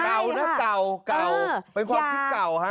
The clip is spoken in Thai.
เก่านะเก่าเป็นพวกที่เก่า